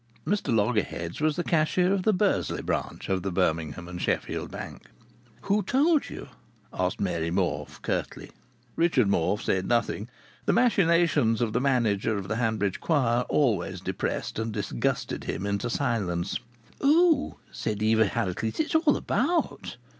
(Mr Loggerheads was cashier of the Bursley branch of the Birmingham and Sheffield Bank.) "Who told you?" asked Mary Morfe, curtly. Richard Morfe said nothing. The machinations of the manager of the Hanbridge Choir always depressed and disgusted him into silence. "Oh!" said Eva Harracles. "It's all about."